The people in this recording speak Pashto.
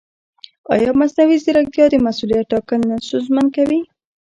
ایا مصنوعي ځیرکتیا د مسؤلیت ټاکل نه ستونزمن کوي؟